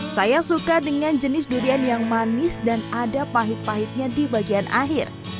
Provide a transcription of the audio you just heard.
saya suka dengan jenis durian yang manis dan ada pahit pahitnya di bagian akhir